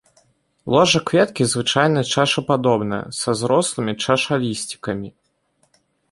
Ложа кветкі звычайна чашападобная, са зрослымі чашалісцікамі.